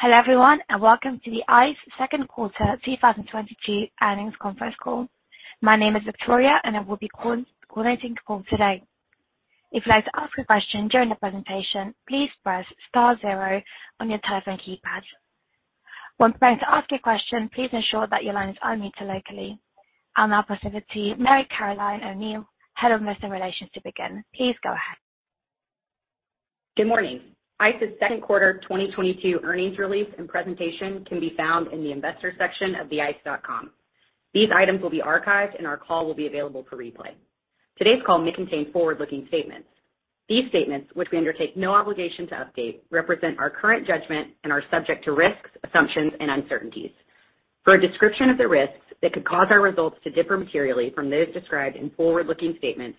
Hello, everyone, and welcome to the ICE second quarter 2022 earnings conference call. My name is Victoria, and I will be coordinating the call today. If you'd like to ask a question during the presentation, please press star zero on your telephone keypad. When preparing to ask your question, please ensure that your line is unmuted locally. I'll now proceed to Mary Caroline O'Neal, Head of Investor Relations, to begin. Please go ahead. Good morning. ICE's second quarter 2022 earnings release and presentation can be found in the investors section of theice.com. These items will be archived and our call will be available for replay. Today's call may contain forward-looking statements. These statements, which we undertake no obligation to update, represent our current judgment and are subject to risks, assumptions, and uncertainties. For a description of the risks that could cause our results to differ materially from those described in forward-looking statements,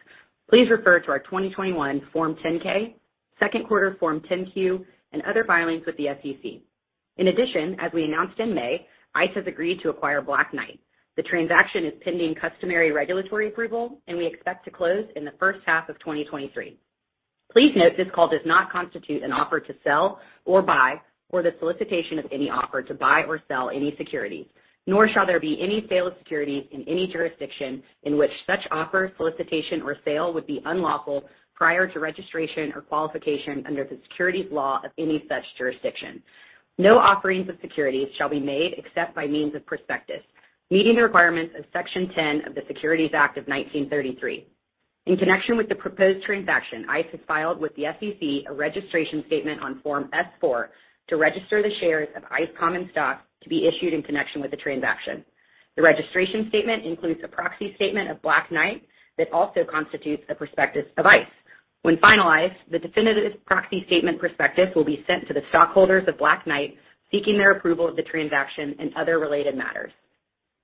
please refer to our 2021 Form 10-K, second quarter Form 10-Q, and other filings with the SEC. In addition, as we announced in May, ICE has agreed to acquire Black Knight. The transaction is pending customary regulatory approval, and we expect to close in the first half of 2023. Please note this call does not constitute an offer to sell or buy or the solicitation of any offer to buy or sell any securities, nor shall there be any sale of securities in any jurisdiction in which such offer, solicitation, or sale would be unlawful prior to registration or qualification under the securities law of any such jurisdiction. No offerings of securities shall be made except by means of prospectus, meeting the requirements of Section 10 of the Securities Act of 1933. In connection with the proposed transaction, ICE has filed with the SEC a registration statement on Form S-4 to register the shares of ICE common stock to be issued in connection with the transaction. The registration statement includes a proxy statement of Black Knight that also constitutes a prospectus of ICE. When finalized, the definitive proxy statement prospectus will be sent to the stockholders of Black Knight, seeking their approval of the transaction and other related matters.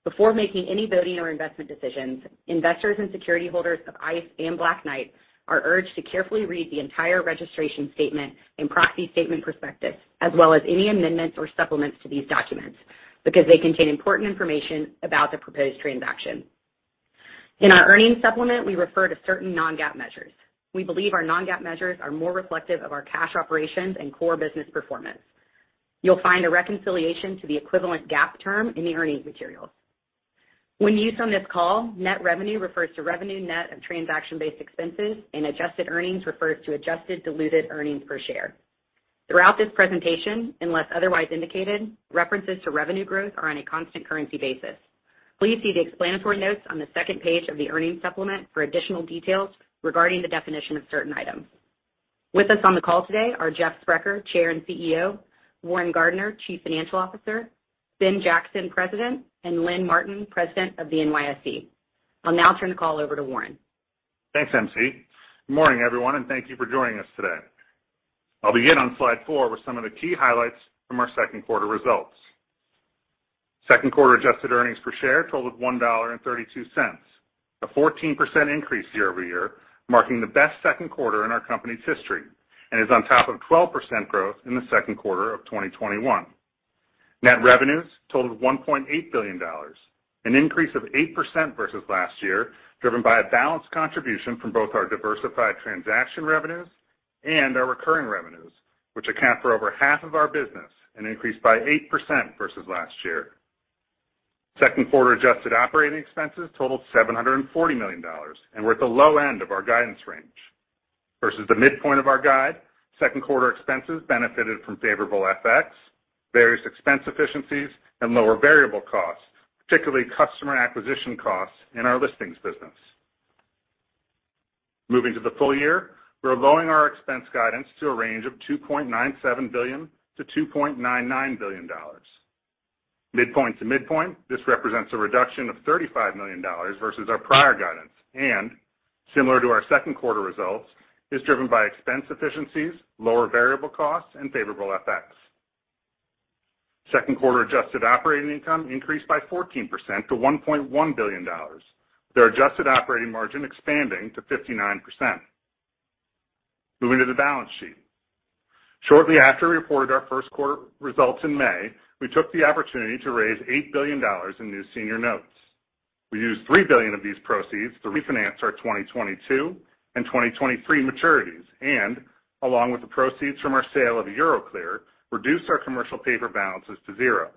Before making any voting or investment decisions, investors and security holders of ICE and Black Knight are urged to carefully read the entire registration statement and proxy statement prospectus, as well as any amendments or supplements to these documents because they contain important information about the proposed transaction. In our earnings supplement, we refer to certain non-GAAP measures. We believe our non-GAAP measures are more reflective of our cash operations and core business performance. You'll find a reconciliation to the equivalent GAAP term in the earnings materials. When used on this call, net revenue refers to revenue net of transaction-based expenses, and adjusted earnings refers to adjusted diluted earnings per share. Throughout this presentation, unless otherwise indicated, references to revenue growth are on a constant currency basis. Please see the explanatory notes on the second page of the earnings supplement for additional details regarding the definition of certain items. With us on the call today are Jeff Sprecher, Chair and CEO, Warren Gardiner, Chief Financial Officer, Ben Jackson, President, and Lynn Martin, President of the NYSE. I'll now turn the call over to Warren. Thanks, MC. Good morning, everyone, and thank you for joining us today. I'll begin on slide four with some of the key highlights from our second quarter results. Second quarter adjusted earnings per share totaled $1.32, a 14% increase year-over-year, marking the best second quarter in our company's history, and is on top of 12% growth in the second quarter of 2021. Net revenues totaled $1.8 billion, an increase of 8% versus last year, driven by a balanced contribution from both our diversified transaction revenues and our recurring revenues, which account for over half of our business and increased by 8% versus last year. Second quarter adjusted operating expenses totaled $740 million and were at the low end of our guidance range. Versus the midpoint of our guide, second quarter expenses benefited from favorable FX, various expense efficiencies, and lower variable costs, particularly customer acquisition costs in our listings business. Moving to the full year, we're lowering our expense guidance to a range of $2.97 billion-$2.99 billion. Midpoint to midpoint, this represents a reduction of $35 million versus our prior guidance and, similar to our second quarter results, is driven by expense efficiencies, lower variable costs, and favorable FX. Second quarter adjusted operating income increased by 14% to $1.1 billion. The adjusted operating margin expanding to 59%. Moving to the balance sheet. Shortly after we reported our first quarter results in May, we took the opportunity to raise $8 billion in new senior notes. We used $3 billion of these proceeds to refinance our 2022 and 2023 maturities and, along with the proceeds from our sale of Euroclear, reduced our commercial paper balances to zero.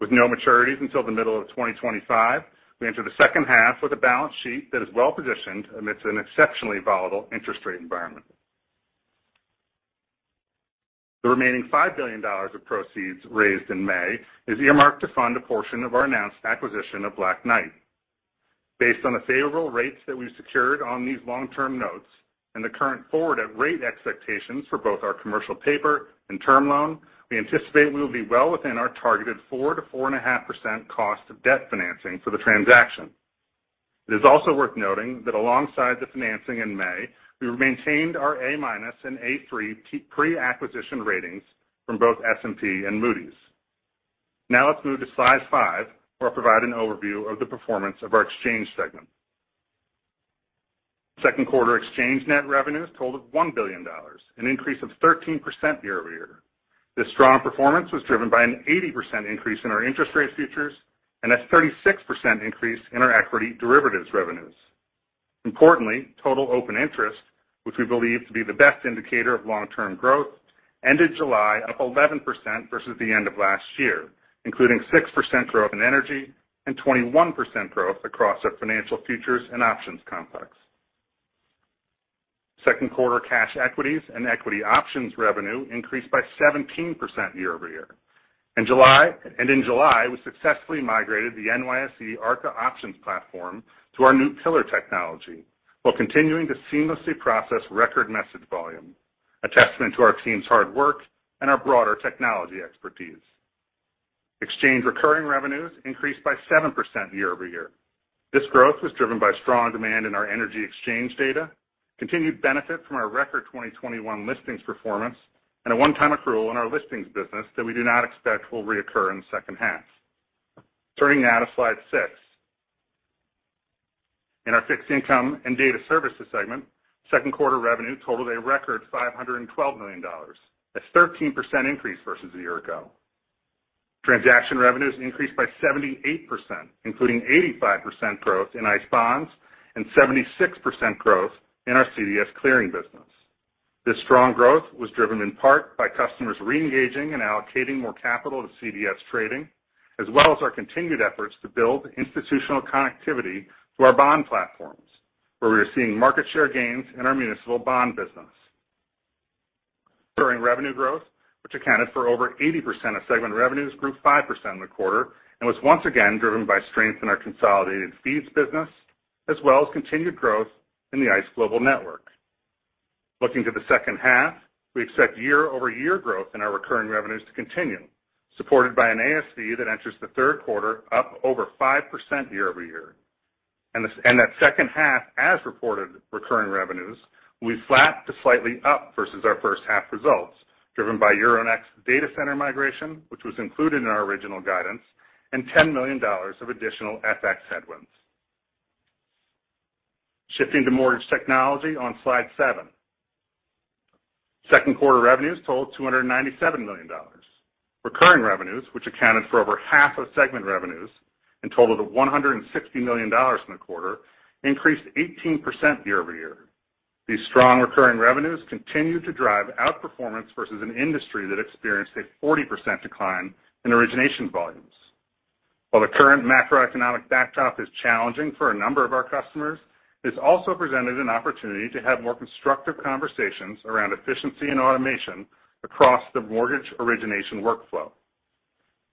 With no maturities until the middle of 2025, we enter the second half with a balance sheet that is well-positioned amidst an exceptionally volatile interest rate environment. The remaining $5 billion of proceeds raised in May is earmarked to fund a portion of our announced acquisition of Black Knight. Based on the favorable rates that we've secured on these long-term notes and the current forward rate expectations for both our commercial paper and term loan, we anticipate we will be well within our targeted 4%-4.5% cost of debt financing for the transaction. It is also worth noting that alongside the financing in May, we maintained our A- and A3 pre-acquisition ratings from both S&P and Moody's. Now let's move to slide five, where I'll provide an overview of the performance of our exchange segment. Second quarter exchange net revenues totaled $1 billion, an increase of 13% year-over-year. This strong performance was driven by an 80% increase in our interest rate futures and a 36% increase in our equity derivatives revenues. Importantly, total open interest, which we believe to be the best indicator of long-term growth, ended July up 11% versus the end of last year, including 6% growth in energy and 21% growth across our financial futures and options complex. Second quarter cash equities and equity options revenue increased by 17% year-over-year. In July, we successfully migrated the NYSE Arca options platform to our new Pillar technology while continuing to seamlessly process record message volume, a testament to our team's hard work and our broader technology expertise. Exchange recurring revenues increased by 7% year-over-year. This growth was driven by strong demand in our energy exchange data, continued benefit from our record 2021 listings performance, and a one-time accrual in our listings business that we do not expect will reoccur in the second half. Turning now to slide six. In our fixed income and data services segment, second quarter revenue totaled a record $512 million. That's 13% increase versus a year ago. Transaction revenues increased by 78%, including 85% growth in ICE Bonds and 76% growth in our CDS clearing business. This strong growth was driven in part by customers reengaging and allocating more capital to CDS trading, as well as our continued efforts to build institutional connectivity to our bond platforms, where we are seeing market share gains in our municipal bond business. Recurring revenue growth, which accounted for over 80% of segment revenues, grew 5% in the quarter and was once again driven by strength in our Consolidated Feeds business as well as continued growth in the ICE Global Network. Looking to the second half, we expect year-over-year growth in our recurring revenues to continue, supported by an ASV that enters the third quarter up over 5% year-over-year. That second half as-reported recurring revenues will be flat to slightly up versus our first half results, driven by Euronext data center migration, which was included in our original guidance, and $10 million of additional FX headwinds. Shifting to mortgage technology on slide seven. Second quarter revenues totaled $297 million. Recurring revenues, which accounted for over half of segment revenues and totaled $160 million in the quarter, increased 18% year-over-year. These strong recurring revenues continued to drive outperformance versus an industry that experienced a 40% decline in origination volumes. While the current macroeconomic backdrop is challenging for a number of our customers, it's also presented an opportunity to have more constructive conversations around efficiency and automation across the mortgage origination workflow.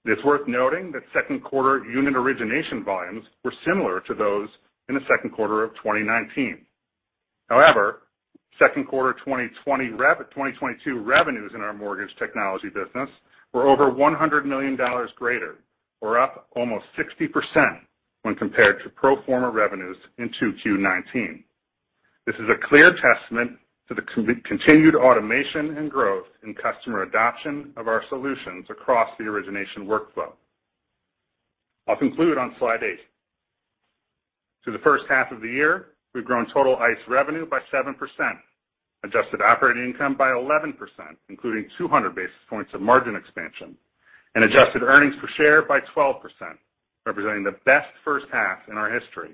It's worth noting that second quarter unit origination volumes were similar to those in the second quarter of 2019. However, second quarter 2022 revenues in our mortgage technology business were over $100 million greater or up almost 60% when compared to pro forma revenues in 2Q 2019. This is a clear testament to the continued automation and growth in customer adoption of our solutions across the origination workflow. I'll conclude on slide eight. Through the first half of the year, we've grown total ICE revenue by 7%, adjusted operating income by 11%, including 200 basis points of margin expansion, and adjusted earnings per share by 12%, representing the best first half in our history.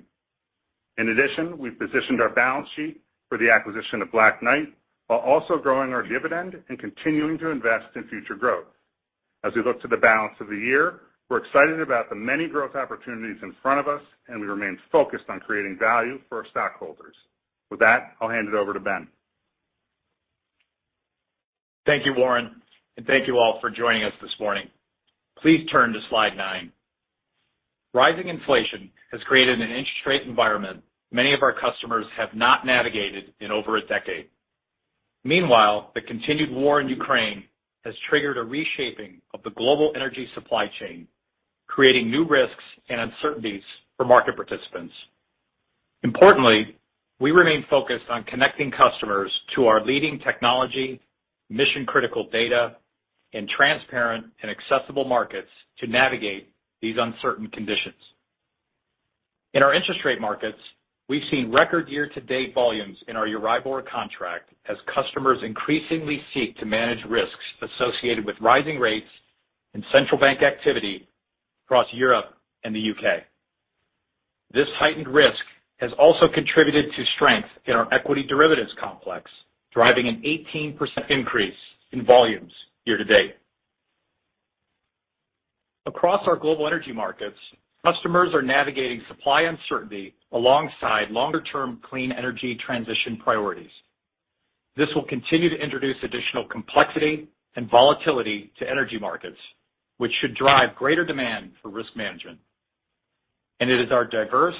In addition, we've positioned our balance sheet for the acquisition of Black Knight while also growing our dividend and continuing to invest in future growth. As we look to the balance of the year, we're excited about the many growth opportunities in front of us, and we remain focused on creating value for our stockholders. With that, I'll hand it over to Ben. Thank you, Warren, and thank you all for joining us this morning. Please turn to slide nine. Rising inflation has created an interest rate environment many of our customers have not navigated in over a decade. Meanwhile, the continued war in Ukraine has triggered a reshaping of the global energy supply chain, creating new risks and uncertainties for market participants. Importantly, we remain focused on connecting customers to our leading technology, mission-critical data, and transparent and accessible markets to navigate these uncertain conditions. In our interest rate markets, we've seen record year-to-date volumes in our Euribor contract as customers increasingly seek to manage risks associated with rising rates and central bank activity across Europe and the U.K. This heightened risk has also contributed to strength in our equity derivatives complex, driving an 18% increase in volumes year-to-date. Across our global energy markets, customers are navigating supply uncertainty alongside longer-term clean energy transition priorities. This will continue to introduce additional complexity and volatility to energy markets, which should drive greater demand for risk management. It is our diverse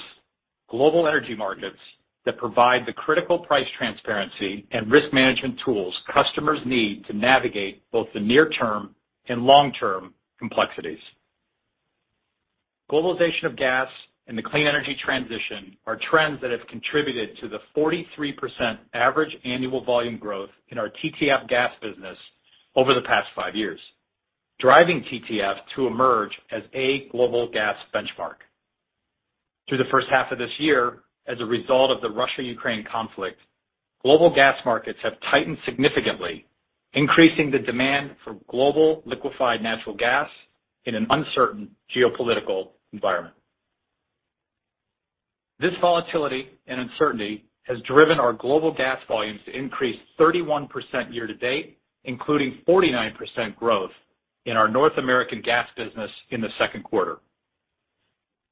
global energy markets that provide the critical price transparency and risk management tools customers need to navigate both the near-term and long-term complexities. Globalization of gas and the clean energy transition are trends that have contributed to the 43% average annual volume growth in our TTF gas business over the past five years, driving TTF to emerge as a global gas benchmark. Through the first half of this year, as a result of the Russia-Ukraine conflict. Global gas markets have tightened significantly, increasing the demand for global liquefied natural gas in an uncertain geopolitical environment. This volatility and uncertainty has driven our global gas volumes to increase 31% year-to-date, including 49% growth in our North American gas business in the second quarter.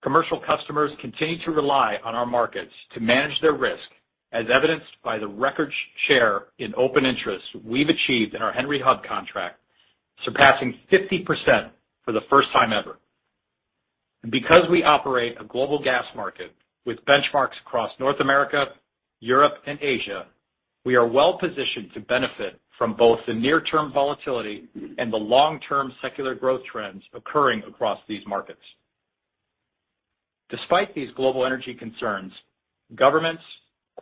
Commercial customers continue to rely on our markets to manage their risk, as evidenced by the record share in open interest we've achieved in our Henry Hub contract, surpassing 50% for the first time ever. Because we operate a global gas market with benchmarks across North America, Europe, and Asia, we are well-positioned to benefit from both the near-term volatility and the long-term secular growth trends occurring across these markets. Despite these global energy concerns, governments,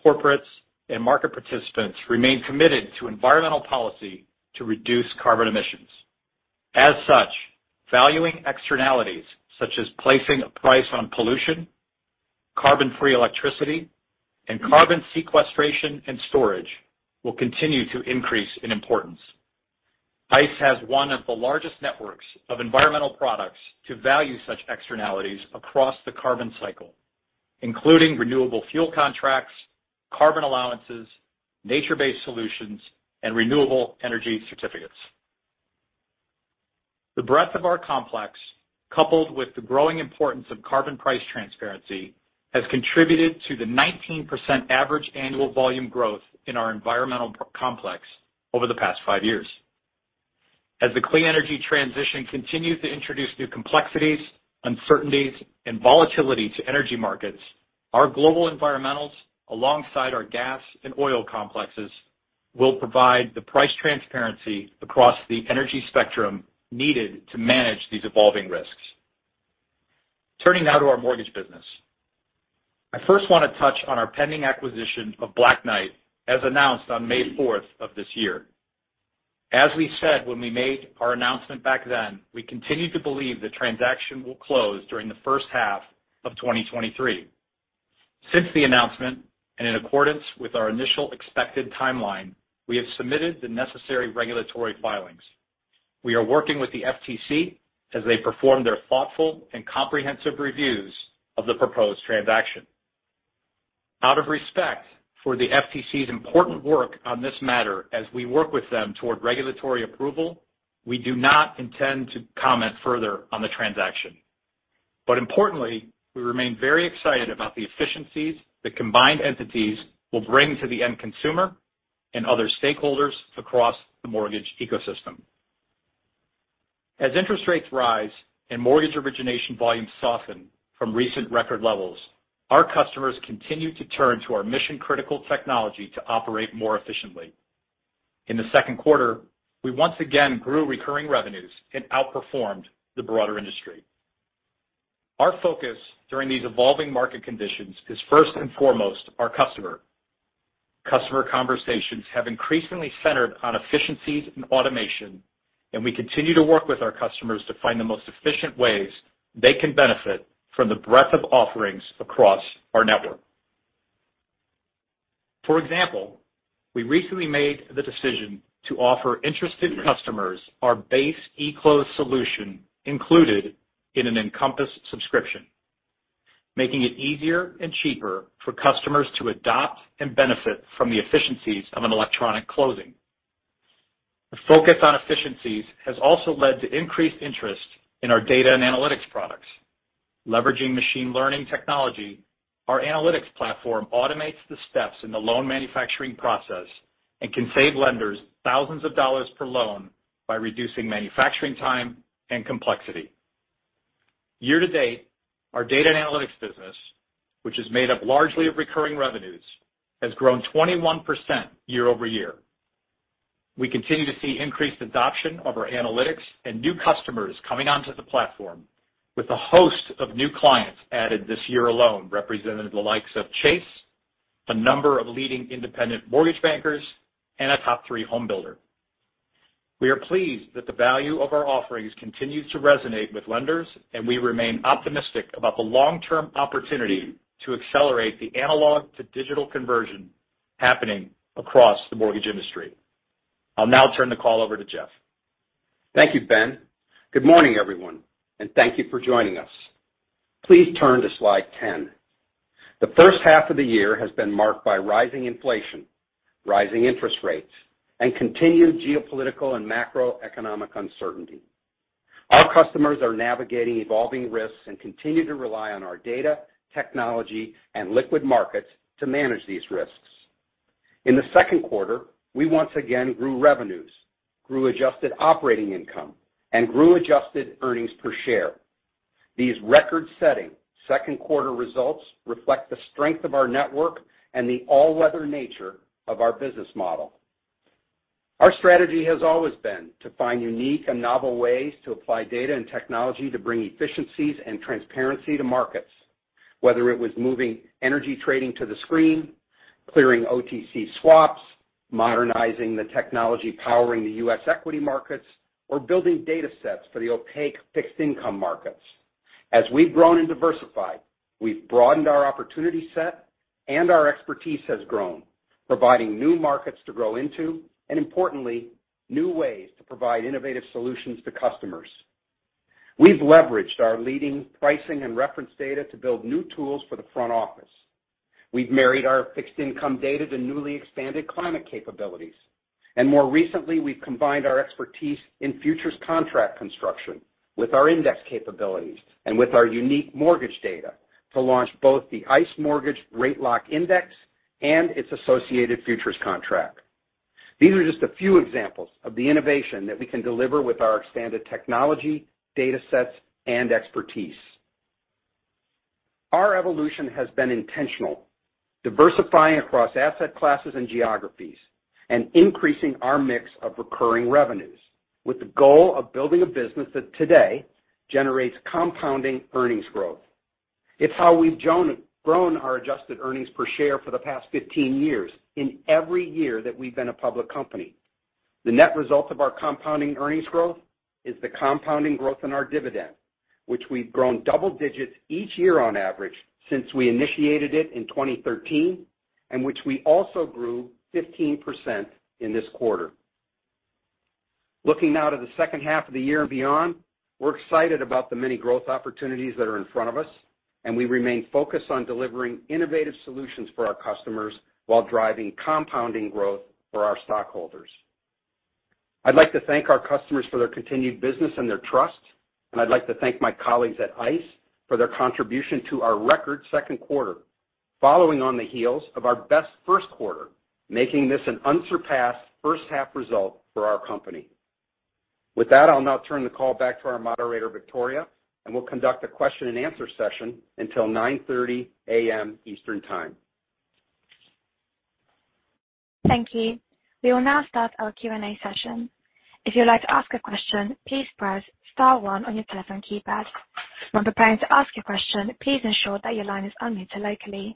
corporates, and market participants remain committed to environmental policy to reduce carbon emissions. As such, valuing externalities such as placing a price on pollution, carbon-free electricity, and carbon sequestration and storage will continue to increase in importance. ICE has one of the largest networks of environmental products to value such externalities across the carbon cycle, including renewable fuel contracts, carbon allowances, nature-based solutions, and renewable energy certificates. The breadth of our complex, coupled with the growing importance of carbon price transparency, has contributed to the 19% average annual volume growth in our environmental complex over the past five years. As the clean energy transition continues to introduce new complexities, uncertainties, and volatility to energy markets, our global environmentals, alongside our gas and oil complexes, will provide the price transparency across the energy spectrum needed to manage these evolving risks. Turning now to our mortgage business. I first want to touch on our pending acquisition of Black Knight as announced on May 4th of this year. As we said when we made our announcement back then, we continue to believe the transaction will close during the first half of 2023. Since the announcement, and in accordance with our initial expected timeline, we have submitted the necessary regulatory filings. We are working with the FTC as they perform their thoughtful and comprehensive reviews of the proposed transaction. Out of respect for the FTC's important work on this matter as we work with them toward regulatory approval, we do not intend to comment further on the transaction. Importantly, we remain very excited about the efficiencies the combined entities will bring to the end consumer and other stakeholders across the mortgage ecosystem. As interest rates rise and mortgage origination volumes soften from recent record levels, our customers continue to turn to our mission-critical technology to operate more efficiently. In the second quarter, we once again grew recurring revenues and outperformed the broader industry. Our focus during these evolving market conditions is first and foremost our customer. Customer conversations have increasingly centered on efficiencies and automation, and we continue to work with our customers to find the most efficient ways they can benefit from the breadth of offerings across our network. For example, we recently made the decision to offer interested customers our base eClose solution included in an Encompass subscription, making it easier and cheaper for customers to adopt and benefit from the efficiencies of an electronic closing. The focus on efficiencies has also led to increased interest in our data and analytics products. Leveraging machine learning technology, our analytics platform automates the steps in the loan manufacturing process and can save lenders thousands of dollars per loan by reducing manufacturing time and complexity. Year-to-date, our data and analytics business, which is made up largely of recurring revenues, has grown 21% year-over-year. We continue to see increased adoption of our analytics and new customers coming onto the platform with a host of new clients added this year alone, representing the likes of Chase, a number of leading independent mortgage bankers, and a top three home builder. We are pleased that the value of our offerings continues to resonate with lenders, and we remain optimistic about the long-term opportunity to accelerate the analog-to-digital conversion happening across the mortgage industry. I'll now turn the call over to Jeff. Thank you, Ben. Good morning, everyone, and thank you for joining us. Please turn to slide 10. The first half of the year has been marked by rising inflation, rising interest rates, and continued geopolitical and macroeconomic uncertainty. Our customers are navigating evolving risks and continue to rely on our data, technology, and liquid markets to manage these risks. In the second quarter, we once again grew revenues, grew adjusted operating income, and grew adjusted earnings per share. These record-setting second quarter results reflect the strength of our network and the all-weather nature of our business model. Our strategy has always been to find unique and novel ways to apply data and technology to bring efficiencies and transparency to markets, whether it was moving energy trading to the screen, clearing OTC swaps, modernizing the technology, powering the U.S. equity markets, or building data sets for the opaque fixed income markets. As we've grown and diversified, we've broadened our opportunity set, and our expertise has grown, providing new markets to grow into, and importantly, new ways to provide innovative solutions to customers. We've leveraged our leading pricing and reference data to build new tools for the front office. We've married our fixed income data to newly expanded climate capabilities. More recently, we've combined our expertise in futures contract construction with our index capabilities and with our unique mortgage data to launch both the ICE mortgage rate lock index and its associated futures contract. These are just a few examples of the innovation that we can deliver with our expanded technology, data sets, and expertise. Our evolution has been intentional, diversifying across asset classes and geographies and increasing our mix of recurring revenues, with the goal of building a business that today generates compounding earnings growth. It's how we've grown our adjusted earnings per share for the past 15 years in every year that we've been a public company. The net result of our compounding earnings growth is the compounding growth in our dividend, which we've grown double digits each year on average since we initiated it in 2013, and which we also grew 15% in this quarter. Looking now to the second half of the year and beyond, we're excited about the many growth opportunities that are in front of us, and we remain focused on delivering innovative solutions for our customers while driving compounding growth for our stockholders. I'd like to thank our customers for their continued business and their trust, and I'd like to thank my colleagues at ICE for their contribution to our record second quarter, following on the heels of our best first quarter, making this an unsurpassed first-half result for our company. With that, I'll now turn the call back to our moderator, Victoria, and we'll conduct a question-and-answer session until 9:30 A.M. Eastern Time. Thank you. We will now start our Q&A session. If you'd like to ask a question, please press star one on your telephone keypad. When preparing to ask your question, please ensure that your line is unmuted locally.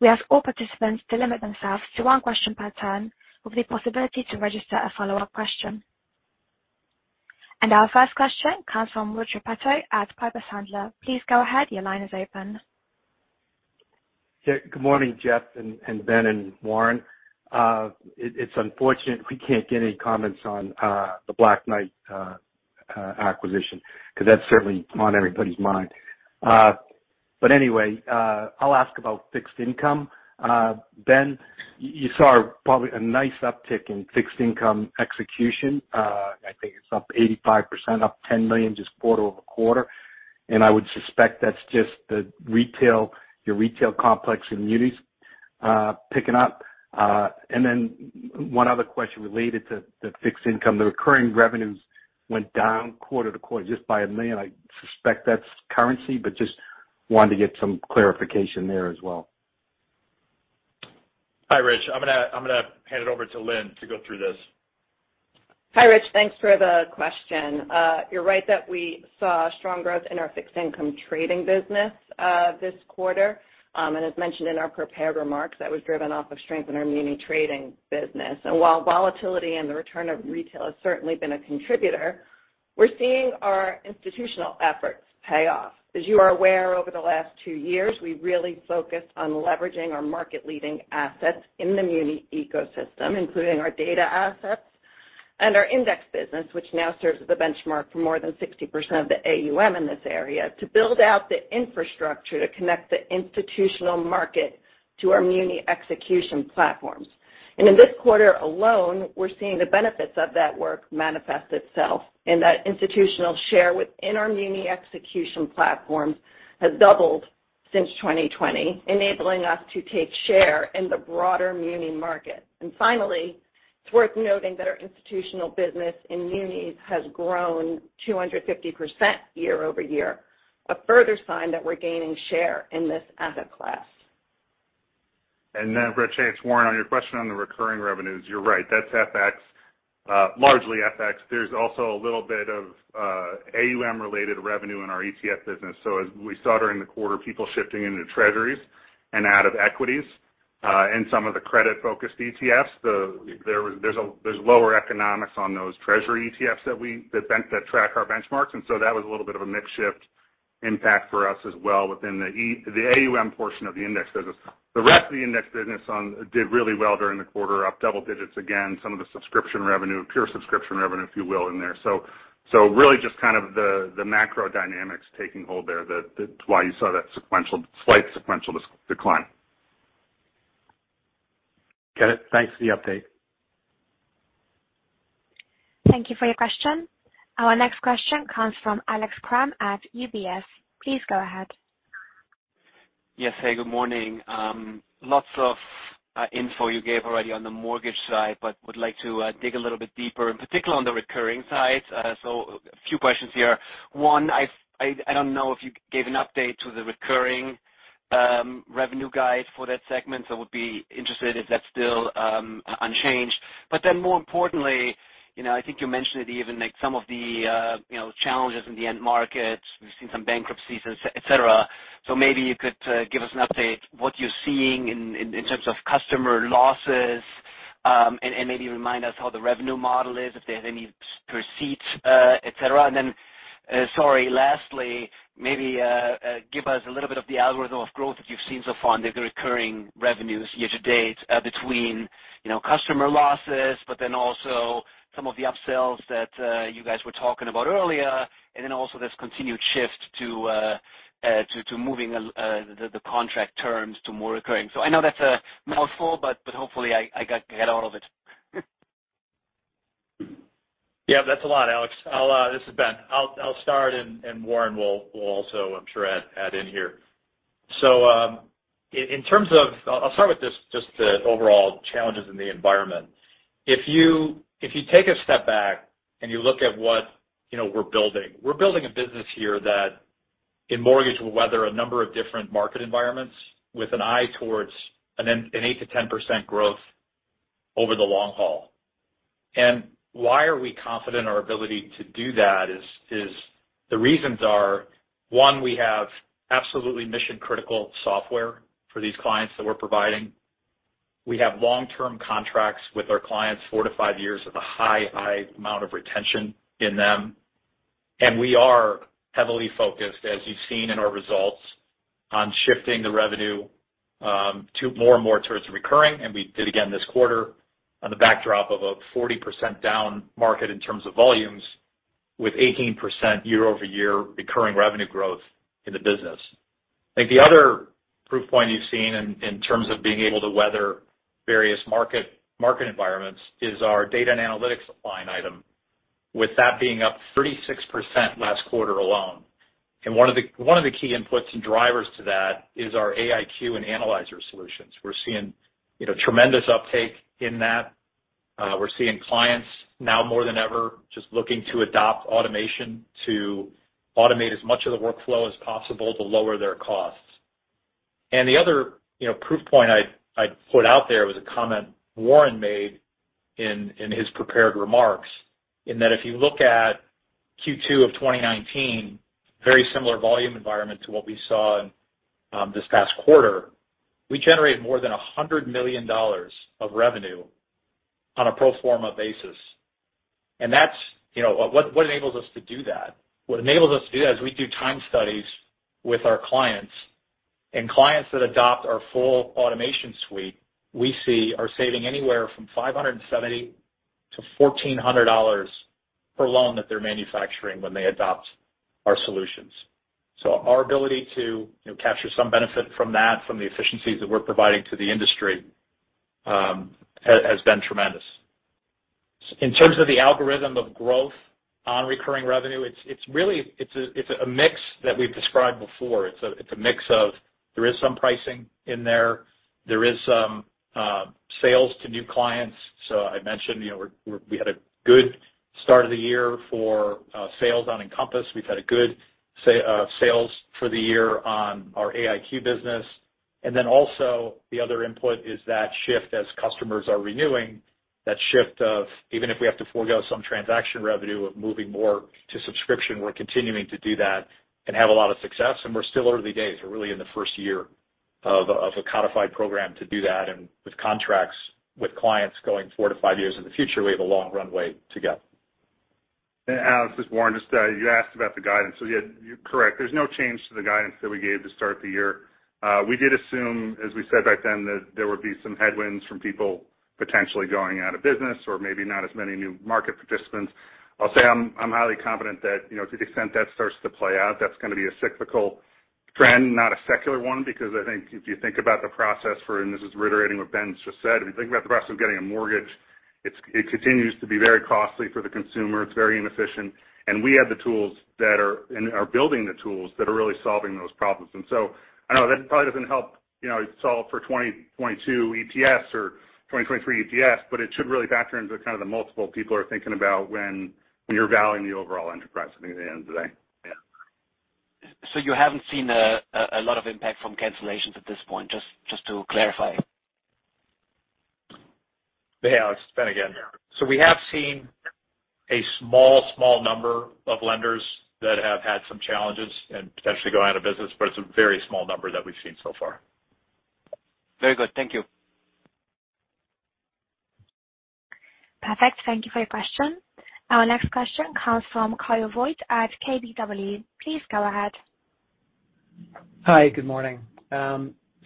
We ask all participants to limit themselves to one question per turn with the possibility to register a follow-up question. Our first question comes from Rich Repetto at Piper Sandler. Please go ahead. Your line is open. Good morning, Jeff and Ben and Warren. It's unfortunate we can't get any comments on the Black Knight acquisition because that's certainly on everybody's mind. Anyway, I'll ask about fixed income. Ben, you saw probably a nice uptick in fixed income execution. I think it's up 85%, up $10 million just quarter-over-quarter. I would suspect that's just the retail, your retail complex activities picking up. Then one other question related to the fixed income. The recurring revenues went down quarter-over-quarter just by $1 million. I suspect that's currency, but just wanted to get some clarification there as well. Hi, Rich. I'm gonna hand it over to Lynn to go through this. Hi, Rich. Thanks for the question. You're right that we saw strong growth in our fixed income trading business this quarter. As mentioned in our prepared remarks, that was driven off of strength in our muni trading business. While volatility and the return of retail has certainly been a contributor, we're seeing our institutional efforts pay off. As you are aware, over the last two years, we really focused on leveraging our market-leading assets in the muni ecosystem, including our data assets and our index business, which now serves as the benchmark for more than 60% of the AUM in this area to build out the infrastructure to connect the institutional market to our muni execution platforms. In this quarter alone, we're seeing the benefits of that work manifest itself, and that institutional share within our muni execution platforms has doubled since 2020, enabling us to take share in the broader muni market. Finally, it's worth noting that our institutional business in munis has grown 250% year-over-year, a further sign that we're gaining share in this asset class. Rich, it's Warren. On your question on the recurring revenues, you're right. That's FX, largely FX. There's also a little bit of AUM-related revenue in our ETF business. As we saw during the quarter, people shifting into treasuries and out of equities, and some of the credit-focused ETFs, there's lower economics on those treasury ETFs that track our benchmarks. That was a little bit of a mix shift impact for us as well within the AUM portion of the index business. The rest of the index business did really well during the quarter, up double digits again, some of the subscription revenue, pure subscription revenue, if you will, in there. Really just kind of the macro dynamics taking hold there. It's why you saw that slight sequential decline. Get it. Thanks for the update. Thank you for your question. Our next question comes from Alex Kramm at UBS. Please go ahead. Yes. Hey, good morning. Lots of info you gave already on the mortgage side, but would like to dig a little bit deeper, in particular on the recurring side. A few questions here. One, I don't know if you gave an update to the recurring revenue guide for that segment. Would be interested if that's still unchanged. More importantly, you know, I think you mentioned it even like some of the challenges in the end markets. We've seen some bankruptcies, et cetera. Maybe you could give us an update what you're seeing in terms of customer losses, and maybe remind us how the revenue model is, if they have any receipts, et cetera. Sorry, lastly, maybe give us a little bit of the algorithm of growth that you've seen so far under the recurring revenues year to date, between, you know, customer losses, but then also some of the upsells that you guys were talking about earlier. This continued shift to moving the contract terms to more recurring. I know that's a mouthful, but hopefully I got all of it. Yeah, that's a lot, Alex. This is Ben. I'll start, and Warren will also, I'm sure, add in here. So, I'll start with this, just the overall challenges in the environment. If you take a step back and you look at what, you know, we're building. We're building a business here that in mortgage will weather a number of different market environments with an eye towards an 8%-10% growth over the long haul. Why are we confident in our ability to do that is the reasons are, one, we have absolutely mission-critical software for these clients that we're providing. We have long-term contracts with our clients, four to five years with a high amount of retention in them. We are heavily focused, as you've seen in our results, on shifting the revenue to more and more towards recurring. We did again this quarter on the backdrop of a 40% down market in terms of volumes with 18% year-over-year recurring revenue growth in the business. I think the other proof point you've seen in terms of being able to weather various market environments is our Data and Analytics line item, with that being up 36% last quarter alone. One of the key inputs and drivers to that is our AIQ and analyzer solutions. We're seeing, you know, tremendous uptake in that. We're seeing clients now more than ever just looking to adopt automation to automate as much of the workflow as possible to lower their costs. The other, you know, proof point I'd put out there was a comment Warren made in his prepared remarks, in that if you look at Q2 of 2019, very similar volume environment to what we saw in this past quarter. We generated more than $100 million of revenue on a pro forma basis. That's, you know, what enables us to do that? What enables us to do that is we do time studies with our clients, and clients that adopt our full automation suite, we see are saving anywhere from $500-$1,400 per loan that they're manufacturing when they adopt our solutions. Our ability to, you know, capture some benefit from that, from the efficiencies that we're providing to the industry, has been tremendous. In terms of the algorithm of growth on recurring revenue, it's really a mix that we've described before. It's a mix of there is some pricing in there. There is some sales to new clients. I mentioned, you know, we had a good start of the year for sales on Encompass. We've had a good sales for the year on our AIQ business. Then also the other input is that shift as customers are renewing, that shift of even if we have to forego some transaction revenue of moving more to subscription, we're continuing to do that and have a lot of success. We're still early days. We're really in the first year of a codified program to do that. With contracts with clients going four to five years in the future, we have a long runway to go. Alex Kramm, this is Warren Gardiner. Just, you asked about the guidance. Yeah, you're correct. There's no change to the guidance that we gave at the start of the year. We did assume, as we said back then, that there would be some headwinds from people potentially going out of business or maybe not as many new market participants. I'll say I'm highly confident that, you know, to the extent that starts to play out, that's gonna be a cyclical trend, not a secular one, because I think if you think about the process for, and this is reiterating what Ben Jackson's just said, if you think about the process of getting a mortgage, it continues to be very costly for the consumer. It's very inefficient. We have the tools and are building the tools that are really solving those problems. I know that probably doesn't help, you know, solve for 2022 ETS or 2023 ETS, but it should really factor into kind of the multiple people are thinking about when you're valuing the overall enterprise at the end of the day. Yeah. You haven't seen a lot of impact from cancellations at this point, just to clarify. Hey, Alex. It's Ben again. We have seen a small number of lenders that have had some challenges and potentially going out of business, but it's a very small number that we've seen so far. Very good. Thank you. Perfect. Thank you for your question. Our next question comes from Kyle Voigt at KBW. Please go ahead. Hi, good morning.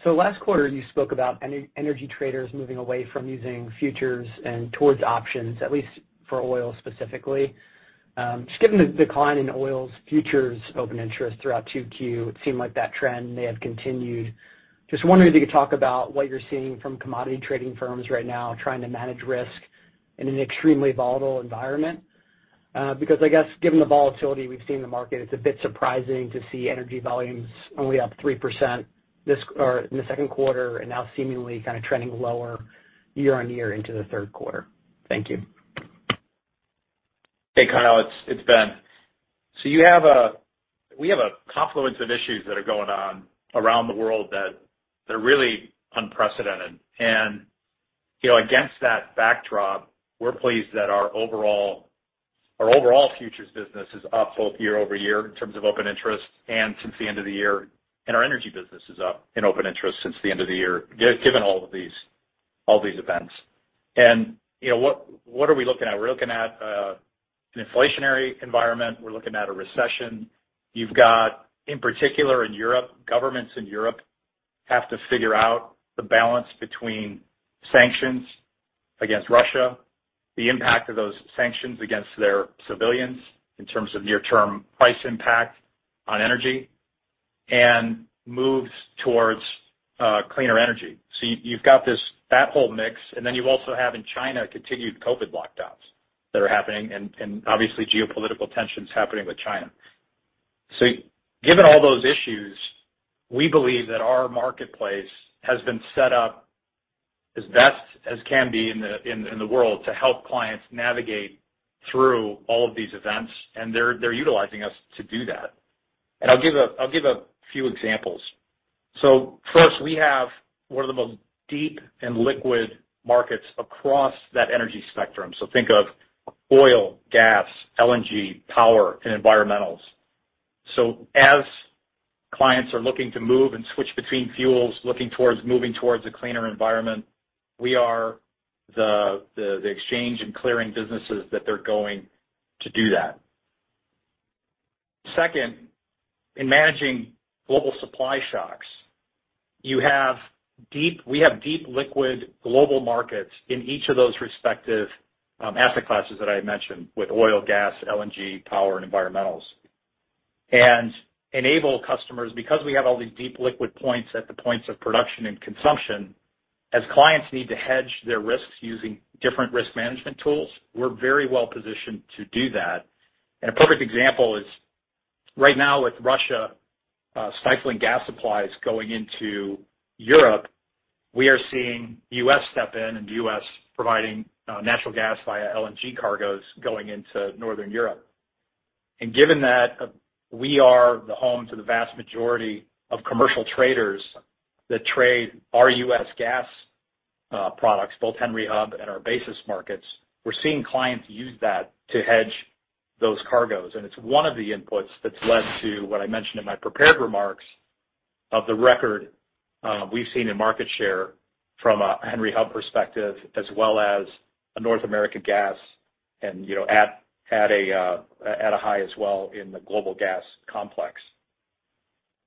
Last quarter, you spoke about energy traders moving away from using futures and towards options, at least for oil specifically. Just given the decline in oil's futures open interest throughout 2Q, it seemed like that trend may have continued. Just wondering if you could talk about what you're seeing from commodity trading firms right now trying to manage risk in an extremely volatile environment. Because I guess given the volatility we've seen in the market, it's a bit surprising to see energy volumes only up 3% or in the second quarter and now seemingly kind of trending lower year-on-year into the third quarter. Thank you. Hey, Kyle Voigt, it's Ben. We have a confluence of issues that are going on around the world that they're really unprecedented. You know, against that backdrop, we're pleased that our overall futures business is up both year-over-year in terms of open interest and since the end of the year, and our energy business is up in open interest since the end of the year given all of these events. You know, what are we looking at? We're looking at an inflationary environment. We're looking at a recession. You've got, in particular in Europe, governments in Europe have to figure out the balance between sanctions against Russia, the impact of those sanctions against their civilians in terms of near-term price impact on energy, and moves towards cleaner energy. You've got that whole mix, and then you also have in China, continued COVID lockdowns that are happening and obviously geopolitical tensions happening with China. Given all those issues, we believe that our marketplace has been set up as best as can be in the world to help clients navigate through all of these events, and they're utilizing us to do that. I'll give a few examples. First, we have one of the most deep and liquid markets across that energy spectrum. Think of oil, gas, LNG, power, and environmentals. As clients are looking to move and switch between fuels, looking towards moving towards a cleaner environment, we are the exchange and clearing businesses that they're going to do that. Second, in managing global supply shocks, we have deep liquid global markets in each of those respective asset classes that I mentioned with oil, gas, LNG, power, and environmentals. Enable customers because we have all these deep liquid points at the points of production and consumption, as clients need to hedge their risks using different risk management tools, we're very well positioned to do that. A perfect example is right now with Russia stifling gas supplies going into Europe, we are seeing U.S. step in, and the U.S. providing natural gas via LNG cargoes going into Northern Europe. Given that we are the home to the vast majority of commercial traders that trade our U.S. gas products, both Henry Hub and our basis markets, we're seeing clients use that to hedge those cargoes. It's one of the inputs that's led to what I mentioned in my prepared remarks of the record we've seen in market share from a Henry Hub perspective as well as a North American gas, and you know, at a high as well in the global gas complex.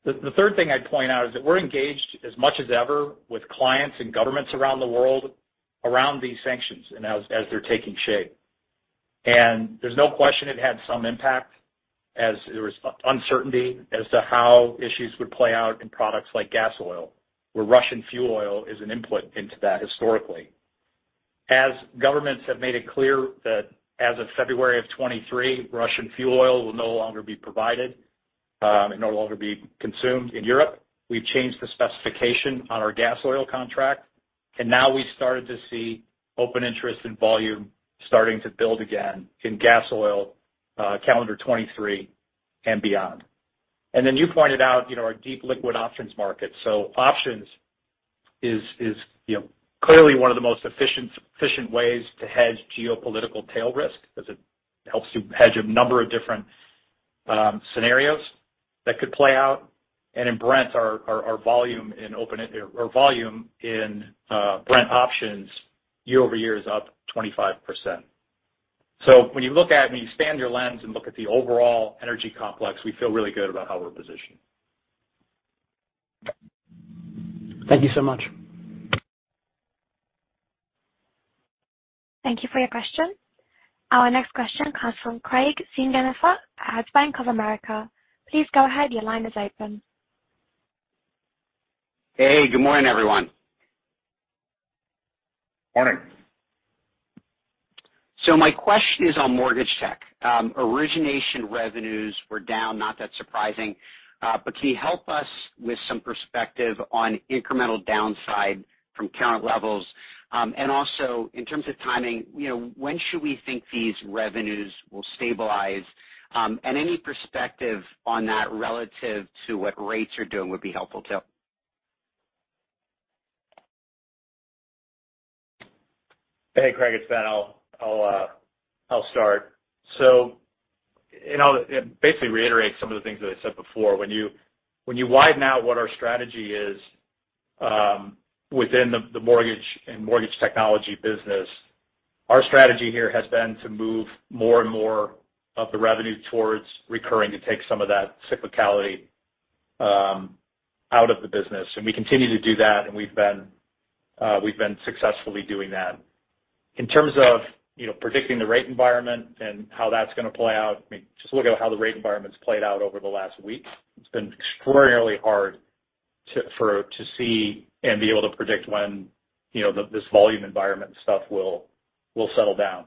The third thing I'd point out is that we're engaged as much as ever with clients and governments around the world around these sanctions and as they're taking shape. There's no question it had some impact as there was uncertainty as to how issues would play out in products like gas oil, where Russian fuel oil is an input into that historically. As governments have made it clear that as of February of 2023, Russian fuel oil will no longer be provided and no longer be consumed in Europe, we've changed the specification on our gas oil contract, and now we started to see open interest and volume starting to build again in gas oil calendar 2023 and beyond. You pointed out, you know, our deep liquid options market. Options is, you know, clearly one of the most efficient ways to hedge geopolitical tail risk because it helps you hedge a number of different scenarios that could play out. In Brent, our volume in open interest or volume in Brent options year-over-year is up 25%. When you expand your lens and look at the overall energy complex, we feel really good about how we're positioned. Thank you so much. Thank you for your question. Our next question comes from Craig Siegenthaler at Bank of America. Please go ahead. Your line is open. Hey, good morning, everyone. Morning. My question is on mortgage tech. Origination revenues were down, not that surprising. Can you help us with some perspective on incremental downside from current levels? Also in terms of timing, you know, when should we think these revenues will stabilize? Any perspective on that relative to what rates are doing would be helpful too. Hey, Craig, it's Ben. I'll start. I'll basically reiterate some of the things that I said before. When you widen out what our strategy is within the mortgage and mortgage technology business, our strategy here has been to move more and more of the revenue towards recurring to take some of that cyclicality out of the business. We continue to do that, and we've been successfully doing that. In terms of you know predicting the rate environment and how that's gonna play out, I mean, just look at how the rate environment's played out over the last weeks. It's been extraordinarily hard to see and be able to predict when you know this volume environment stuff will settle down.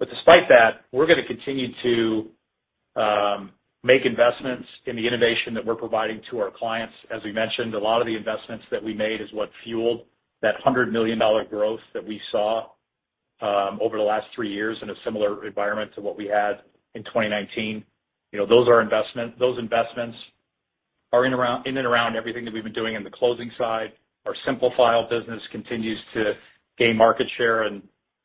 Despite that, we're gonna continue to make investments in the innovation that we're providing to our clients. As we mentioned, a lot of the investments that we made is what fueled that $100 million growth that we saw, over the last three years in a similar environment to what we had in 2019. You know, those investments are in and around everything that we've been doing in the closing side. Our Simplifile business continues to gain market share and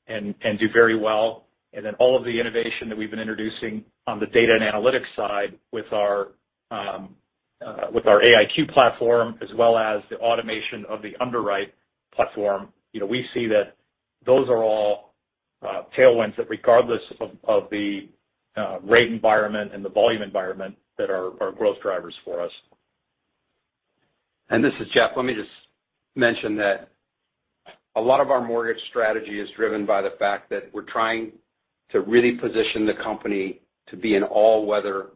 do very well. Then all of the innovation that we've been introducing on the data and analytics side with our AIQ platform, as well as the automation of the underwriting platform. You know, we see that those are all tailwinds that, regardless of the rate environment and the volume environment, that are growth drivers for us. This is Jeff. Let me just mention that a lot of our mortgage strategy is driven by the fact that we're trying to really position the company to be an all-weather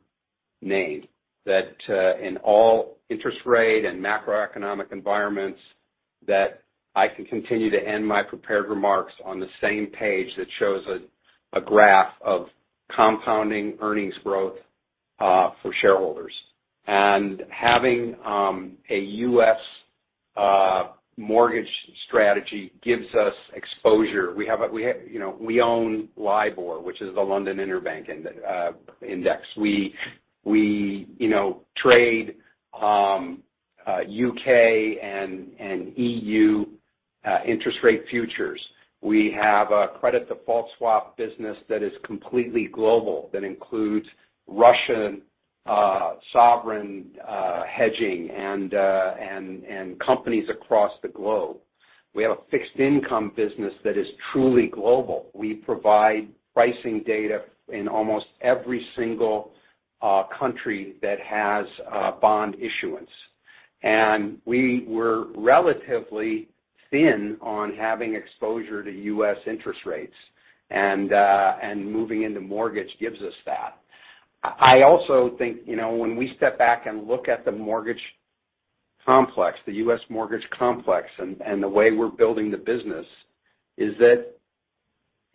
name, that in all interest rate and macroeconomic environments, that I can continue to end my prepared remarks on the same page that shows a graph of compounding earnings growth for shareholders. Having a U.S. mortgage strategy gives us exposure. You know, we own LIBOR, which is the London Interbank Offered Rate. You know, we trade U.K. and EU. interest rate futures. We have a credit default swap business that is completely global, that includes Russian sovereign hedging and companies across the globe. We have a fixed income business that is truly global. We provide pricing data in almost every single country that has a bond issuance. We were relatively thin on having exposure to U.S. interest rates. Moving into mortgage gives us that. I also think, you know, when we step back and look at the mortgage complex, the U.S. mortgage complex and the way we're building the business is that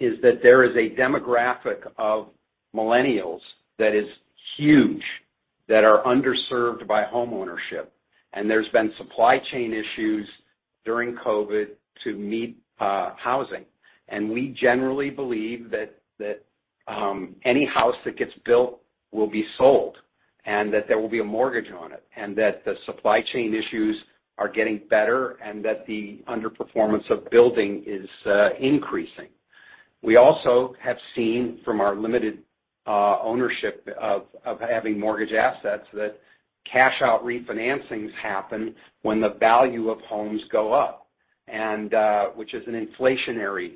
there is a demographic of millennials that is huge, that are underserved by homeownership. There's been supply chain issues during COVID to meet housing. We generally believe that any house that gets built will be sold, and that there will be a mortgage on it, and that the supply chain issues are getting better and that the underperformance of building is increasing. We also have seen from our limited ownership of having mortgage assets that cash-out refinancings happen when the value of homes go up and which is an inflationary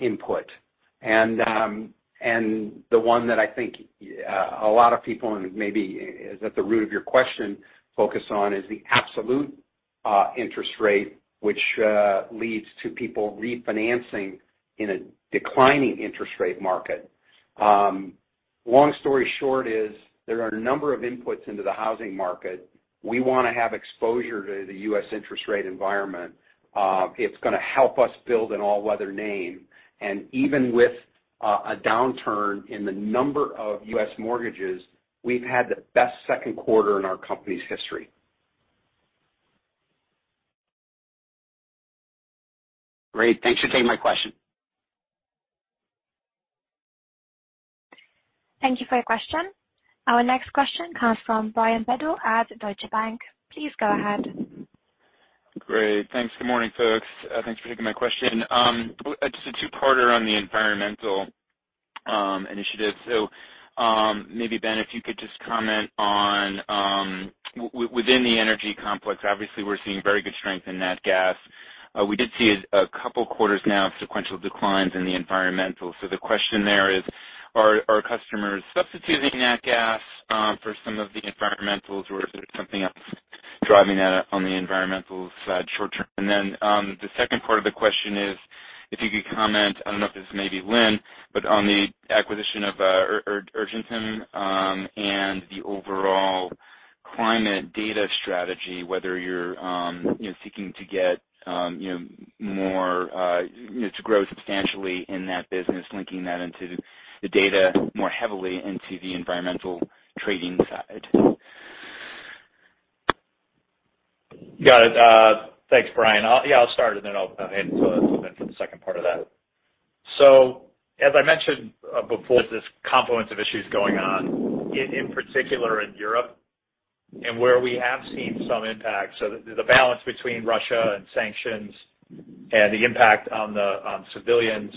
input. The one that I think a lot of people and maybe is at the root of your question focus on is the absolute interest rate, which leads to people refinancing in a declining interest rate market. Long story short is there are a number of inputs into the housing market. We wanna have exposure to the U.S. interest rate environment. It's gonna help us build an all-weather name. Even with a downturn in the number of U.S. mortgages, we've had the best second quarter in our company's history. Great. Thanks for taking my question. Thank you for your question. Our next question comes from Brian Bedell at Deutsche Bank. Please go ahead. Great. Thanks. Good morning, folks. Thanks for taking my question. Just a two-parter on the environmental initiative. Maybe, Ben, if you could just comment on within the energy complex, obviously we're seeing very good strength in nat gas. We did see a couple quarters now of sequential declines in the environmental. The question there is, are customers substituting nat gas for some of the environmentals, or is there something else driving that on the environmental side short term? The second part of the question is if you could comment, I don't know if this is maybe Lynn, but on the acquisition of Urgentem, and the overall climate data strategy, whether you're you know, seeking to get you know, more you know, to grow substantially in that business, linking that into the data more heavily into the environmental trading side. Got it. Thanks, Brian. I'll start and then I'll hand to Lynn for the second part of that. As I mentioned before, there's this confluence of issues going on in particular in Europe and where we have seen some impact. The balance between Russia and sanctions and the impact on the civilians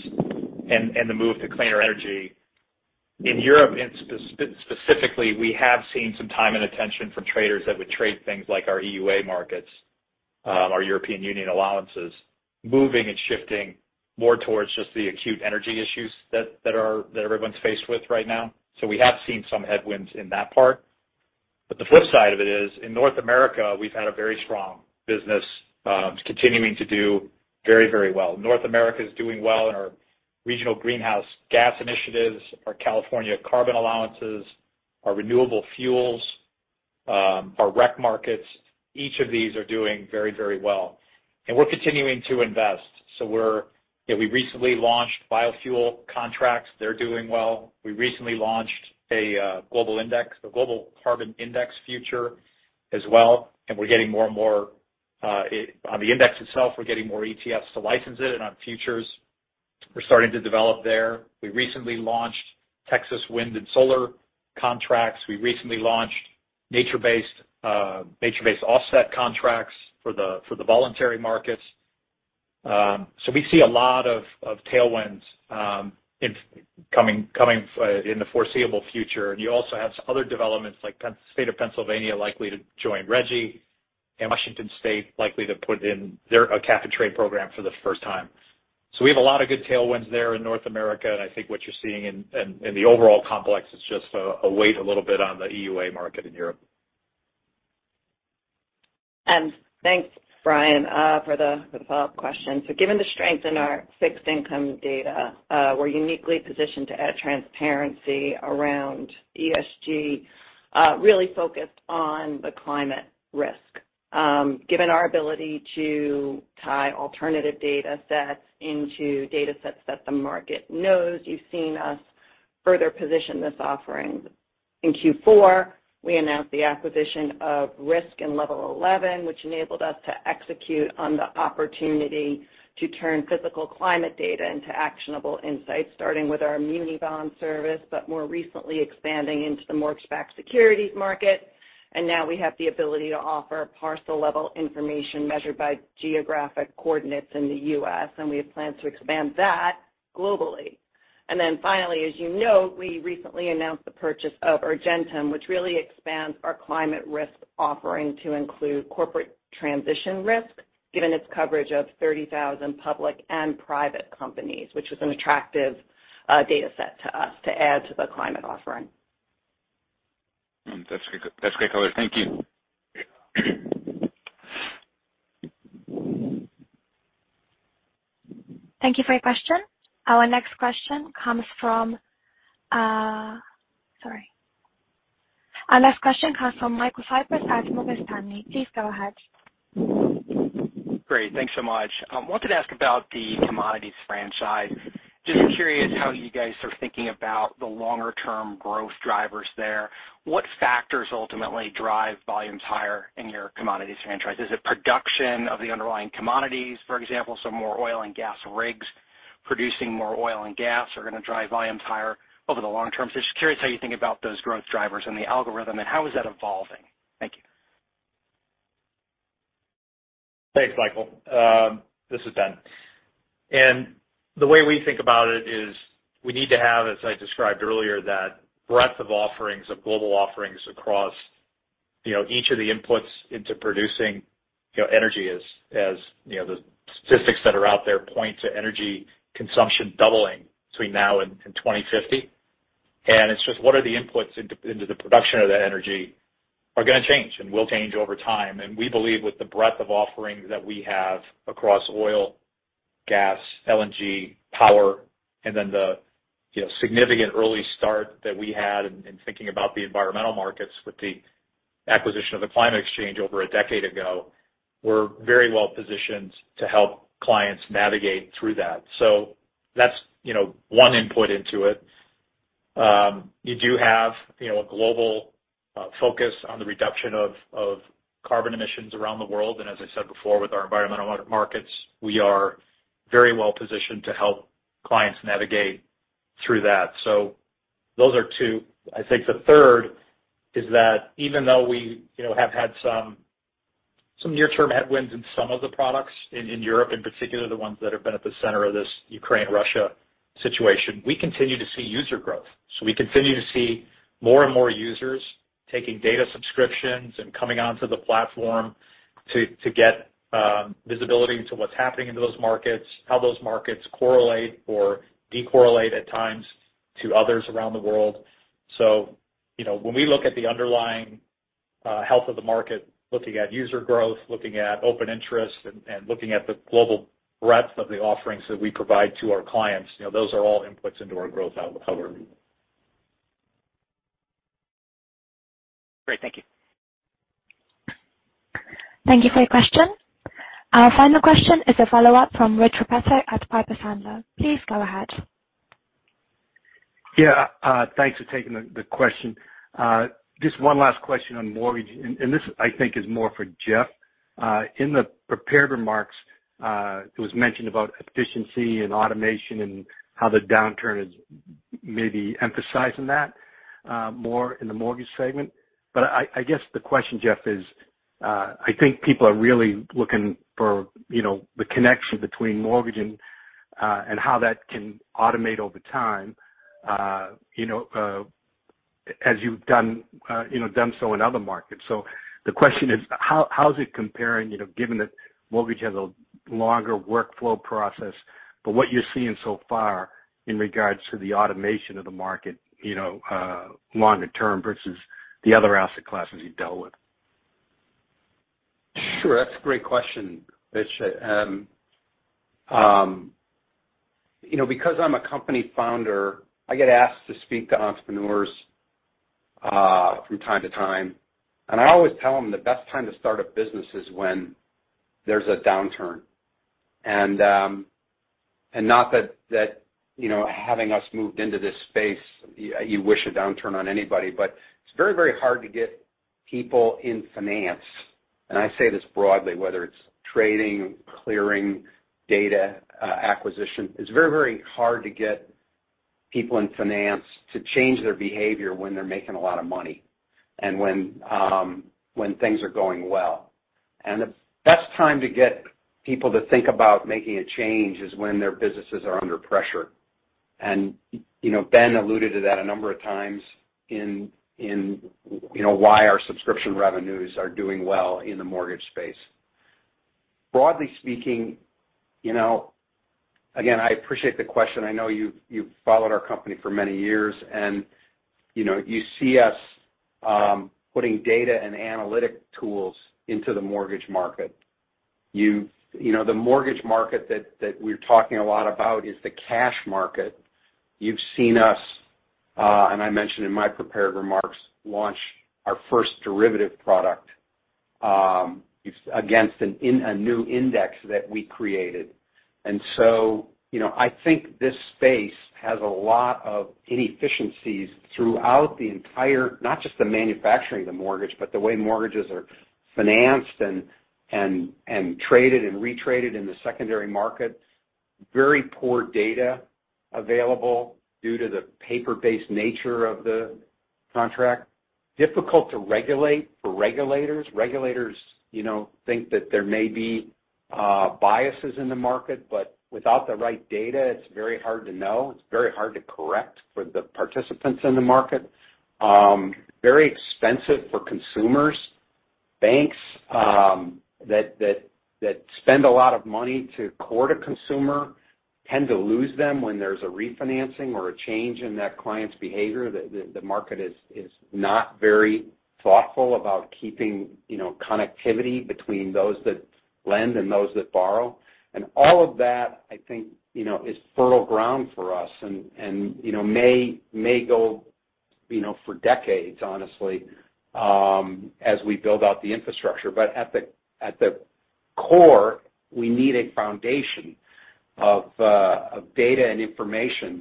and the move to cleaner energy in Europe, and specifically, we have seen some time and attention from traders that would trade things like our EUA markets, our European Union allowances, moving and shifting more towards just the acute energy issues that everyone's faced with right now. We have seen some headwinds in that part. The flip side of it is, in North America, we've had a very strong business continuing to do very well. North America is doing well in our Regional Greenhouse Gas Initiative, our California Carbon Allowances, our renewable fuels, our REC markets, each of these are doing very, very well. We're continuing to invest. You know, we recently launched biofuel contracts. They're doing well. We recently launched a global carbon index future as well, and we're getting more and more. On the index itself, we're getting more ETFs to license it, and on futures we're starting to develop there. We recently launched Texas wind and solar contracts. We recently launched nature-based offset contracts for the voluntary markets. We see a lot of tailwinds incoming in the foreseeable future. You also have some other developments like State of Pennsylvania likely to join RGGI and Washington State likely to put in there a cap and trade program for the first time. We have a lot of good tailwinds there in North America, and I think what you're seeing in the overall complex is just a wait a little bit on the EUA market in Europe. Thanks, Brian, for the follow-up question. Given the strength in our fixed income data, we're uniquely positioned to add transparency around ESG, really focused on the climate risk. Given our ability to tie alternative datasets into datasets that the market knows, you've seen us further position this offering. In Q4, we announced the acquisition of risQ and Level Eleven, which enabled us to execute on the opportunity to turn physical climate data into actionable insights, starting with our muni bond service, but more recently expanding into the MBS securities market. Now we have the ability to offer parcel-level information measured by geographic coordinates in the U.S., and we have plans to expand that globally. Finally, as you know, we recently announced the purchase of Urgentem, which really expands our climate risk offering to include corporate transition risk, given its coverage of 30,000 public and private companies, which was an attractive dataset to us to add to the climate offering. That's good. That's great color. Thank you. Thank you for your question. Our next question comes from Michael Cyprys at Morgan Stanley. Please go ahead. Great. Thanks so much. Wanted to ask about the commodities franchise. Just curious how you guys are thinking about the longer term growth drivers there. What factors ultimately drive volumes higher in your commodities franchise? Is it production of the underlying commodities, for example, so more oil and gas rigs producing more oil and gas are gonna drive volumes higher over the long term? Just curious how you think about those growth drivers and the algorithm, and how is that evolving? Thank you. Thanks, Michael. This is Ben. The way we think about it is we need to have, as I described earlier, that breadth of offerings, of global offerings across, you know, each of the inputs into producing, you know, energy as you know, the statistics that are out there point to energy consumption doubling between now and 2050. It's just what are the inputs into the production of that energy are gonna change and will change over time. We believe with the breadth of offerings that we have across oil, gas, LNG, power, and then the, you know, significant early start that we had in thinking about the environmental markets with the acquisition of the Climate Exchange over a decade ago, we're very well-positioned to help clients navigate through that. That's, you know, one input into it. You do have, you know, a global focus on the reduction of carbon emissions around the world, and as I said before, with our environmental markets, we are very well-positioned to help clients navigate through that. Those are two. I think the third is that even though we, you know, have had some near-term headwinds in some of the products in Europe, in particular, the ones that have been at the center of this Ukraine-Russia situation, we continue to see user growth. We continue to see more and more users taking data subscriptions and coming onto the platform to get visibility into what's happening into those markets, how those markets correlate or decorrelate at times to others around the world. You know, when we look at the underlying health of the market, looking at user growth, looking at open interest and looking at the global breadth of the offerings that we provide to our clients, you know, those are all inputs into our growth outlook. Great. Thank you. Thank you for your question. Our final question is a follow-up from Rich Repetto at Piper Sandler. Please go ahead. Thanks for taking the question. Just one last question on mortgage, and this I think is more for Jeff. In the prepared remarks, it was mentioned about efficiency and automation and how the downturn is maybe emphasizing that more in the mortgage segment. I guess the question, Jeff, is, I think people are really looking for, you know, the connection between mortgage and how that can automate over time, you know, as you've done, you know, done so in other markets. The question is, how's it comparing, you know, given that mortgage has a longer workflow process, but what you're seeing so far in regards to the automation of the market, you know, longer term versus the other asset classes you've dealt with? Sure. That's a great question, Rich. You know, because I'm a company founder, I get asked to speak to entrepreneurs from time to time, and I always tell them the best time to start a business is when there's a downturn. Not that, you know, you wish a downturn on anybody, but it's very, very hard to get people in finance. I say this broadly, whether it's trading, clearing, data, acquisition. It's very, very hard to get people in finance to change their behavior when they're making a lot of money and when things are going well. The best time to get people to think about making a change is when their businesses are under pressure. You know, Ben alluded to that a number of times in you know why our subscription revenues are doing well in the mortgage space. Broadly speaking, you know. Again, I appreciate the question. I know you've followed our company for many years and, you know, you see us putting data and analytic tools into the mortgage market. You know, the mortgage market that we're talking a lot about is the cash market. You've seen us and I mentioned in my prepared remarks, launch our first derivative product against a new index that we created. You know, I think this space has a lot of inefficiencies throughout the entire, not just the manufacturing of the mortgage, but the way mortgages are financed and traded and retraded in the secondary market. Very poor data available due to the paper-based nature of the contract. Difficult to regulate for regulators. Regulators, you know, think that there may be biases in the market, but without the right data, it's very hard to know. It's very hard to correct for the participants in the market. Very expensive for consumers. Banks that spend a lot of money to court a consumer tend to lose them when there's a refinancing or a change in that client's behavior. The market is not very thoughtful about keeping, you know, connectivity between those that lend and those that borrow. All of that, I think, you know, is fertile ground for us and, you know, may go, you know, for decades, honestly, as we build out the infrastructure. At the core, we need a foundation of data and information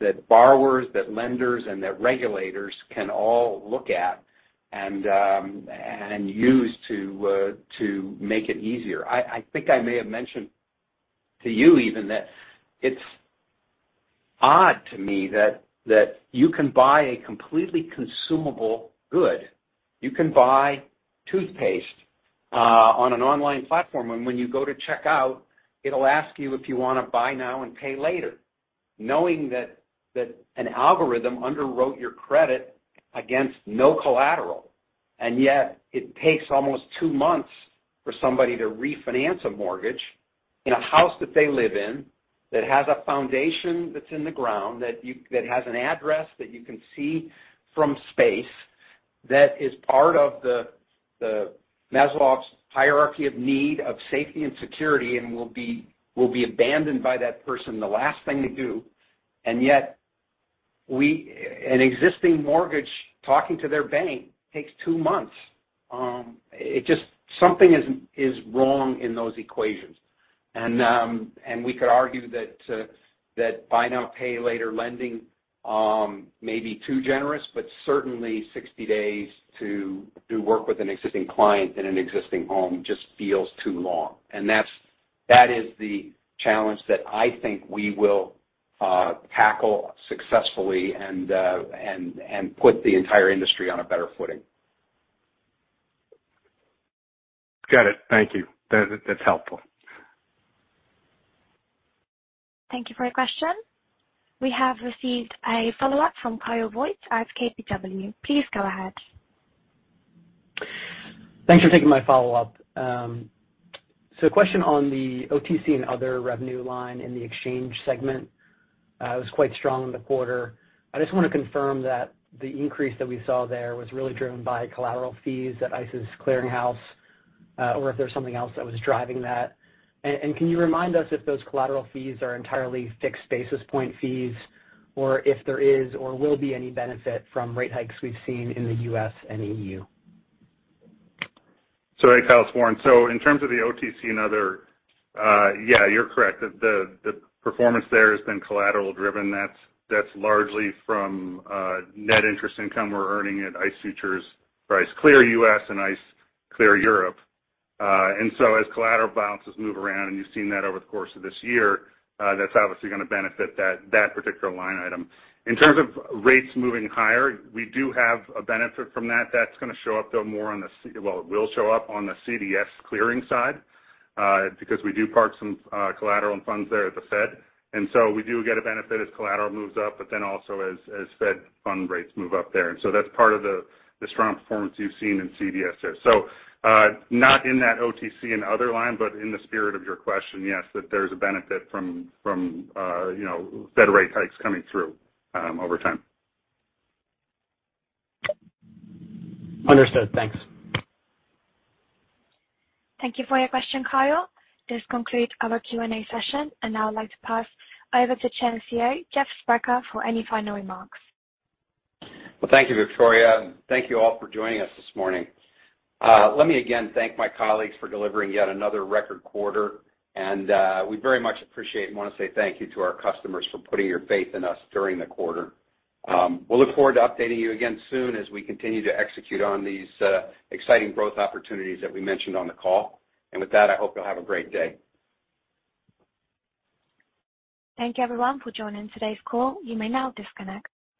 that borrowers, lenders and regulators can all look at and use to make it easier. I think I may have mentioned to you even that it's odd to me that you can buy a completely consumable good. You can buy toothpaste on an online platform, and when you go to checkout, it'll ask you if you wanna buy now and pay later, knowing that an algorithm underwrote your credit against no collateral. It takes almost two months for somebody to refinance a mortgage in a house that they live in, that has a foundation that's in the ground, that has an address that you can see from space, that is part of the Maslow's hierarchy of need of safety and security, and will be abandoned by that person, the last thing to do. An existing mortgage, talking to their bank takes two months. Something is wrong in those equations. We could argue that buy now, pay later lending may be too generous, but certainly 60 days to do work with an existing client in an existing home just feels too long. That is the challenge that I think we will tackle successfully and put the entire industry on a better footing. Got it. Thank you. That, that's helpful. Thank you for your question. We have received a follow-up from Kyle Voigt at KBW. Please go ahead. Thanks for taking my follow-up. A question on the OTC and other revenue line in the exchange segment. It was quite strong in the quarter. I just wanna confirm that the increase that we saw there was really driven by collateral fees at ICE's clearinghouse, or if there's something else that was driving that. Can you remind us if those collateral fees are entirely fixed basis point fees, or if there is or will be any benefit from rate hikes we've seen in the U.S. and EU? Sorry, Kyle, it's Warren. In terms of the OTC and other, yeah, you're correct. The performance there has been collateral driven. That's largely from net interest income we're earning at ICE Futures for ICE Clear U.S. and ICE Clear Europe. As collateral balances move around, and you've seen that over the course of this year, that's obviously gonna benefit that particular line item. In terms of rates moving higher, we do have a benefit from that. That's gonna show up, though. Well, it will show up on the CDS clearing side, because we do park some collateral and funds there at the Fed. We do get a benefit as collateral moves up, but then also as Fed fund rates move up there. That's part of the strong performance you've seen in CDS there. Not in that OTC and other line, but in the spirit of your question, yes, that there's a benefit from you know, Fed rate hikes coming through over time. Understood. Thanks. Thank you for your question, Kyle. This concludes our Q&A session. Now I'd like to pass over to Chair and CEO Jeff Sprecher for any final remarks. Well, thank you, Victoria, and thank you all for joining us this morning. Let me again thank my colleagues for delivering yet another record quarter. We very much appreciate and wanna say thank you to our customers for putting your faith in us during the quarter. We'll look forward to updating you again soon as we continue to execute on these exciting growth opportunities that we mentioned on the call. With that, I hope you'll have a great day. Thank you everyone for joining today's call. You may now disconnect.